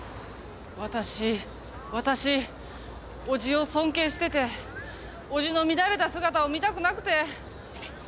私私おじを尊敬してておじの乱れた姿を見たくなくて。